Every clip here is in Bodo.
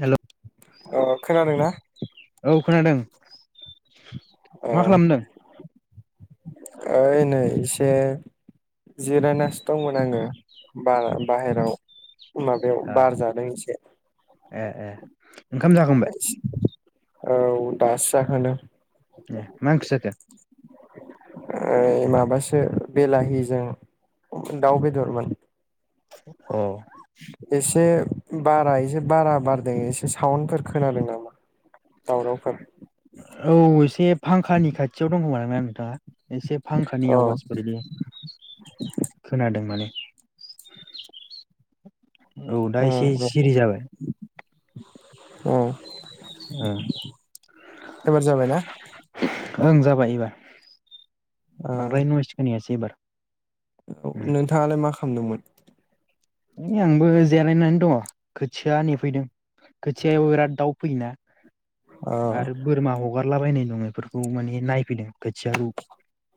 हेल' अ खोनादोंना? औ खोनादों। अ मा खालामदों? ओइ नै एसे जिरायनासो दंमोन आङो, बारा बाहेरायाव माबायाव ओ बार जादों एसे। ए ए ओंखाम जाखांबाय? औ दासो जाखांदों। ए मा ओंख्रि जाखो? ओइ माबासो बेलाहिजों दाउ बेदरमोन। औ। एसे बारा एसे बारा बारदों एसे साउन्डफोर खोनादों नामा दावरावफोर औ एसे फांखानि खाथियाव दं खोमा नों? [unintelligible] एसे फांखानि अ आवाजफोरनि खोनादों माने। [inaudible] औ दा एसे सिरि जाबाय। उम। एबार जाबायना? ओं जाबाय एबार। बांद्राय नयस खोनायासै एबार। औ नोंथाङालाय मा खा लामदोंमोन? ओइ आंबो जेरायनानै दङ खोथिया नेफैदों। खोथियायाव बिराद दाउ फैयोना अ आरो बोरमा हगार लाबायनाय दं इफोरखौ माने नायफैदों। खोथियाखौ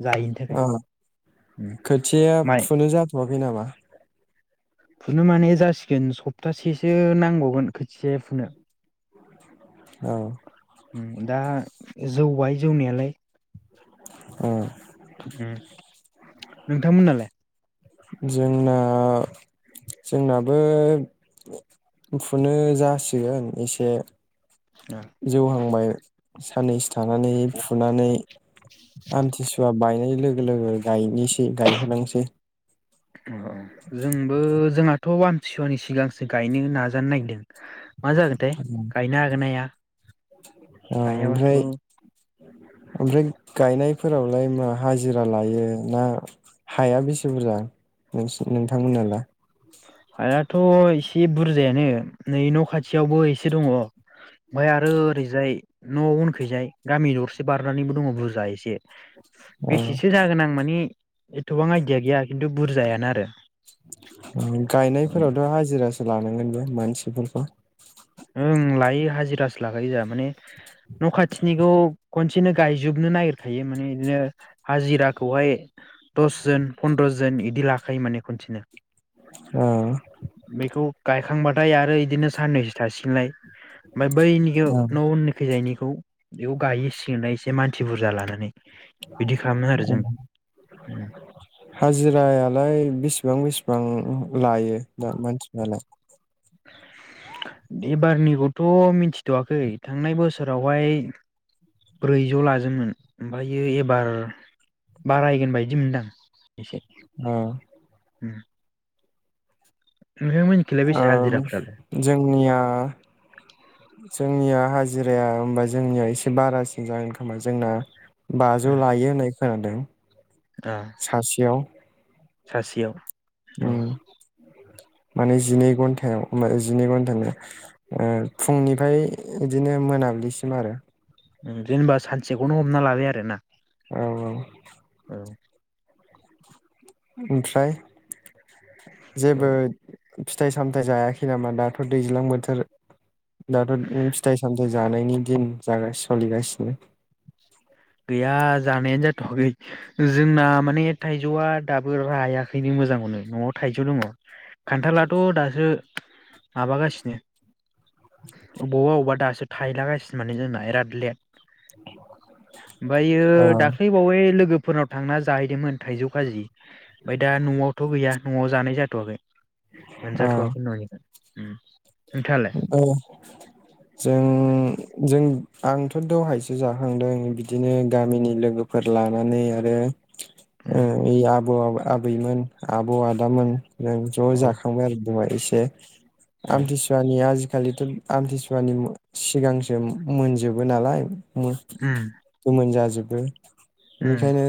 जायैनि थाखाय अ खोथियाया माइ फुनो जाथ'वाखै नामा? फुनो माने जासिगोन सप्तासेसो नांबावगोन खोथियाया फुनो। औ। उम दा जौबाय जौनायालाय। अह। उम नोंथांमोननालाय? जोंना, जोंनाबो फुनो जासिगोन एसे जौहांबाय। साननैसो थानानै फुनानै आमथिसुवा बायनाय लोगो लोगो गाय ओ जोंबो जोंहाथ' आं थिसुवानि सिगांसो गायनो हो नाजानो नागिरदों। मा जागोनथाइ औ गायनो हागोना हाया। हायाबाथ' ओमफ्राय ओमफ्राय गायनायफोरावलाय मा हाजिरा लायो ना हाया बेसे बुरजा नोंसि नोंथांमोननालाय? हायाथ' एसे बुरजायानो नै न' खाथियावबो एसे दङ। ओमाय आरो ओरैजाय न' उनखैजाय गामि दर से बारनानैबो दङ बुरजा एसे। औ बेसेसो जागोन आं माने एथ'बां आइदिया गैया खिन्थु बुरजायानो आरो। औ। गायनायफोरावथ' हाजिरासो लानांगोन बे मानसिफोरखौ। ओं लायो हाजिरासो लागायो जोंहा माने न' खाथिनिखौ खनसेनो गायजोबनो नागिरखायो माने इदिनो हाजिराखौहाय दसजोन पन्द्र' जोन इ दि लाखायो माने खनसेनो। औ बेखौ गायखांबाथाय आरो इदिनो साननैसो थासिगोनलाय। ओमफाय बैनिखौ न' उननिखै जायनि खौ बेयाव गायै सिगोनलाय ए से मानसि बुरजा लानानै। बिदि खालामनो आरो जों। हाजिरायालाय बेसेबां बेसेबां लायो दा मानसिफ्रालाय? एबारनिखौथ' मिथिथ'वाखै थांनाय बोसोरावहाय ब्रैजौ लादोंमोन ओमफायो एबार बारायगोन बायदि मोनदां एसे। औ। उम। बेसे ओं हाजिराफ्रालाय जोंनिया जोंनिया हाजि राया होमबा जोंनिया एसे बारासिन जागोन खोमा। जोंना ओ बाजौ लायो होननाय खोनादों। ओ सासेयाव सासेयाव उम औ। माने जिनै घन्टायाव जिनै घन्टानि ओ फुंनिफ्राय बिदिनो मोनाबिलिसिम आरो। जेनेबा सानसेखौनो हमना लाबाय आरोना। औ औ। औ। ओमफ्राय औ जेबो फिथाइ सामथायाइ जायाखै नामा दाथ' दैज्लां बोथोर दाथ' फिथाइ सामथाइ जानायनि दिन जागासिनो सोलिगासिनो। गैया जानायानो जाथ'खै जोंना माने थाइजौआ दाबो रायाखैनो मोजांखौनो न'आव थाइजौ दङ। खान्थालाथ' दासो। माबागासिनो बबा बबा दासो थायलागासिनो माने जोंना बिराद लेट। [inaudible] ओमफ्रायो ओ दाख्लैबावै लोगो फोरनाव थांना जाहैदोंमोन थाइजौ खाजि। ओमफ्राय दा न'आवथ' गैया। न'आव जानाय जाथ'वाखै। ओ मोनजाथ'आखै न'निखौ। उम। औ जों जों। आंथ' दहायसो जाखांदों बिदिनो गामिनि लोगोफोर लानानै आरो। [unintelligible] आबैमोन आब' आदामोन। जों औ ज' जाखांबाय आरो। जमा एसे। आमति सुवा। आजिखालिथ आमथिसुवानि सिगांसो मोनजोबो नालाय। मो उम गोमोन जाजोबो दे उम बेनिखायनो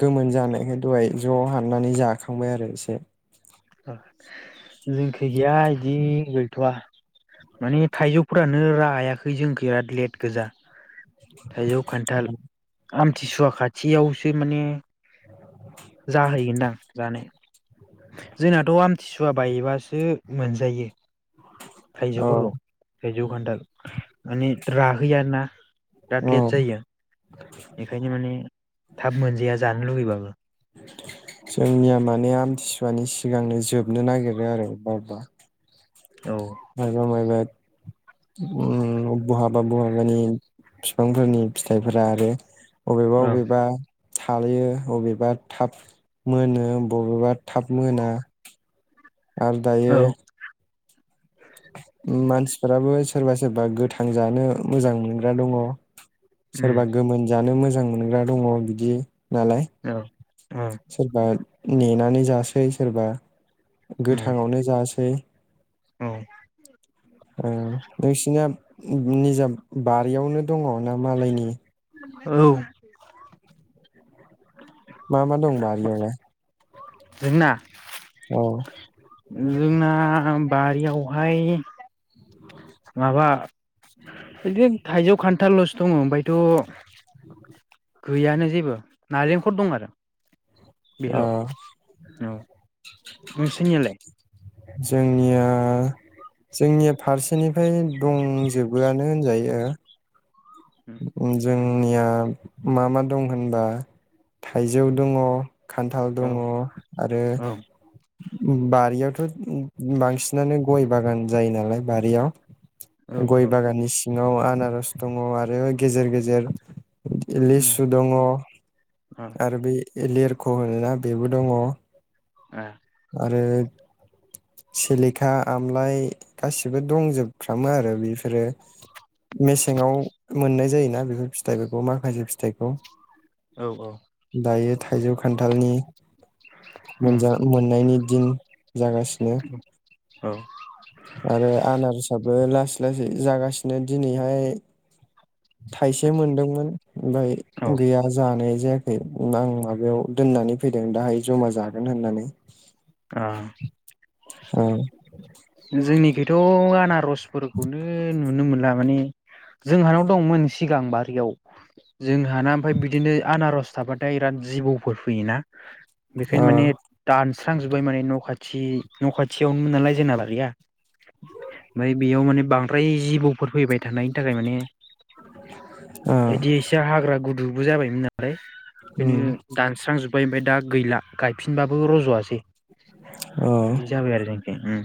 गोमोन जानायखाय दहाय ज हाननानै जाखांबाय आरो एसे जोंखो गैया बिदि गैथवा माने थाइजौफोरानो रायाखै जोंखौ आरो लेट गोजा। थाइजौ, खान्थाल, आम थिसुवा खाथियावसो माने जाहैगोनदां? जानाय [unintelligible] जोंनाथ आमथिसुवा बायबासो मोनजायो। औ थाइजौफोरखौ थायजौ खान्थाल माने राहैआना दाद औ लेट जायो। बेखायनो माने थाब मोनजाया जानो लुबैबाबो जोंनिया माने आमथिसुवानि सिगांनो जोबनो नागिरो आरो अबबा औ माइबा माइबायद उम बहाबा बहाबानि बिफांफोरनि फिथाइफोरा आरो ओं अबेबा-अबेबा थालायो अबेबा थाब मोनो बबेबा थाब मोना आरो औ दायो मानसिफोराबो सोरबा-सोरबा गोथां जानो मोजां मोनग्रा दंङ उम सोरबा गोमोन जानो मोजां जां मोनग्रा दंङ बिदि नालाय औ औ सोरबा नेनानै जासै सोरबा गोथाङावनो जासै औ ओ नोंसिना निजा बारियावनो दंङ ना मालायनि औ [inaudible] मा-मा दं बारिआवलाय? जोंना? [inaudible] जोंना बारिआवहाय माबा जदि थाइजौ खान थाल'सो दङ ओमफायथ' गैयानो जेबो नारेंखल दं आरो बेेल' औ ओ नोंसेेनिआलाय जोंनिया जोंनिया फारसेनिफ्राय दंजोबोआनो होनजायो। जों आंनिया मा मा दं होनबा थाइजौ दङ। खान्थाल दङ औ आरो औ बारियावथ' बांसिनानो गय बागान जायो नालाय बारियाव औ गय बागानिस ङाव आनारस दङ आरो गेजेर गेजेर लिसु दङ आरो बे लेरख' होनोना बेबो दङ। ऐ आरो सिलेखा आमलाइ गासिबो दंजोबफ्रामो आरो बेफोरो मेसेंङाव मोननाय जायोना बेफोर फिथाइफोरखौ माखासे फिथाइखौ औ औ। दायो थाइजौ खान्थालनि उम। ननायनि दिनो जागासिनो आरो आनारसाबबो लास लासै जागासिनो दिनैहाय थाइसे मोनदोंमोन ओमफ्राय औ गैया जानाय जे आं माबायाव दोननानै फैदों दाहाय जमा जागोन होननानै [unintelligible] आ ओ जोंनिखै एथ' गाना रस फोरखौनो नुनो मोनला माने जोंहानाव दंमोन सिगां बार याव जोंहाना ओमफ्राय बिदिनो आनारस थाबाथाय बिराद जिबौफोर फैयोना बेखायनो ओ माने दान्स थ्रांजोब्बाय माने न' खाथि न' खाथियावनोमोन नालाय जोंना ला गैया ओमफ्राय बेयाव माने बांद्राय जिबौफोर फैबाय थानायनि थाखाय माने ओ बिदि एसे हाग्रा गुदु गुजाबायमोनना। फाय उम बेखायनो दानस्रांजोब ओमफाय ओमफाय दा गैला गायफिनबाबो रज'वासै। ओ बिदि जाबाय आरो जोंखै उम।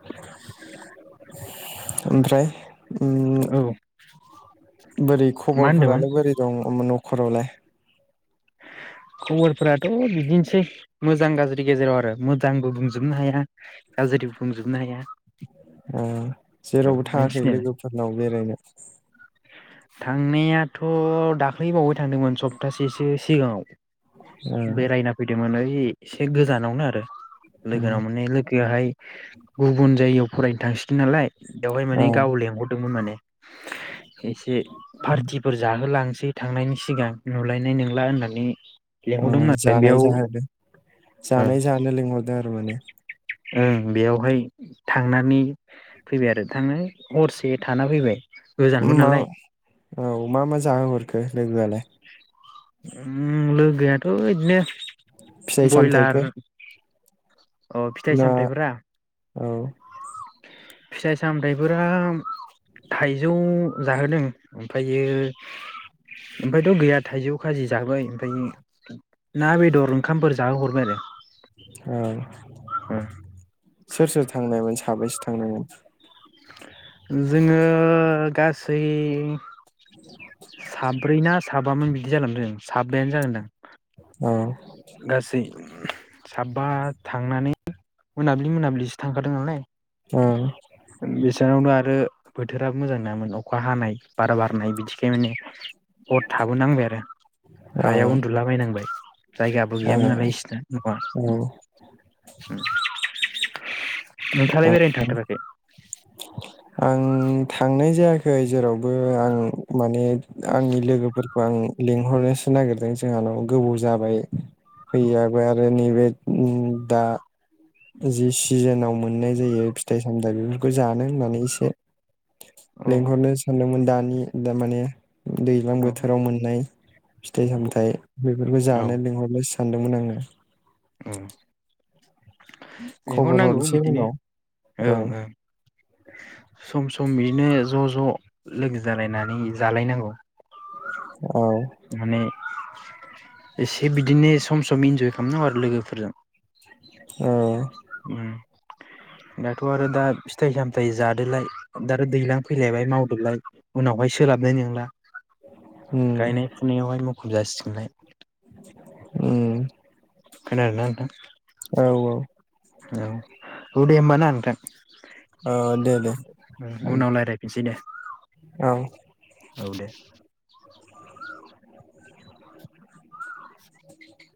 [inaudible] ओमफ्राय उम औ बोरै मा होनदोंमोन खबरफोरालाय बोरै दं उम न'ख हरावलाय खबरफोराथ' बिदिनोसै मोजां गाज्रि गेजेराव आरो मोजांबो बुंजोबनो हाया गाज्रिबो बुंजोबनो हाया। अ औ जेरावबो थाङाखै नोंसिनियालाय लोगोफोरनाव बेरायनो? थांनायाथ' दाख्लैबावै थांदोंमोन सप्तासेसो सिगाङाव। औ बेरायना फैदोंमोन ओइ ए-एसे गोजानावनो आरो। लोगोनाव माने लोगोआहाय गुबुन जायगायाव फरायनो थांसिगोन नालाय बेवहाय औ माने गाव लेंहरदोंमोन माने। एसे पार्टिफोर जाहोलां बे थांनायनि सिगां नुलायनाय नंला होननानै अ लेंहरदोंमोन आरो जानाय बेयाव जाहोदो जानाय जानो लिंहरदों। माने ओं बेयावहाय थांनानै फैबाय आरो थांनानै हरसे थाना फैबाय। गोजानबो मा नालाय औ मा मा जाहोहरखो लोगोआलाय? उम लोगोआथ' इदिनो फिथाइ बयलार सामथाइफोर अ फिथाइ ना सामथाइफोरा औ फिथाइ सामथाइफोरा थाइजौ जाहोदों ओमफायो ओमफायथ' गैया थाइजौ खाजि जाहोबाय ओमफायो ना बेदर ओंखामफोर जाहोहरबाय आरो औ सोर सोर थांनायमोन साब बैसे थांनायमोन? जोङो गासै साब्रै ना साबामोन बिदि जालांदों साबायानो जागोनदां। औ गासै साबा थांनानै मोनाब्लि मोनाब्लिसो थांखादों नालाय। औ बेसानावनो आरो बोथोरा मोजां नङामोन अखा हानाय बारा बारनाय बिदिखाय माने हर थाबोनांबाय आरो औ हायाव उन्दुलाबायनांबाय जायगाबो गैयामोन औ नालाय बिसिना औ न'आ नोंथाङालाय बेरायनो थांथाराखै आं थांनाय जायाखै जेरावबो आं माने आंनि लोगोफोरखौ आं लिंहरनोसो नागिरदों जोंहानाव गोबाव जाबाय फैयाबो आरो नैबे दा जि सिजोनाव मोननाय जायो फिथाइ सामथाइ बेफोरखौ जानो होननानै एसे औ लिंहरनो सानदोंमोन दानि दा माने दैज्लां औ बोथोराव मोननाय फिथाइ औ सामथाय बेफोरखौ औ जानो लिंहरनो सानदोंमोन आङो औ खबर लिंहरनांगौ हरसै बिदिनो उनाव औ ओं ओं सम सम बिदिनो ज' ज' लोगो जालायनानै जालायनांगौ औ माने एसे बिदिनो सम सम इन्जय खालामनांगौ आरो लोगोफोरजों औ। ओम दाथ' आरो दा फिथाइ सामथायाइ जादोलाय दा आरो दैज्लां फैलायबाय माव लाय उनावहाय सोलाबनाय नोंला। उम गायनाय फुनायावहाय मु खुब जासिगोनलाय। उम। खोनादोंना नोंथां। औ औ। औ औ दे होमबा नोंथां। औ दे दे। उनाव रायज्लायफिनसै दे औ। औ दे। [inaudible]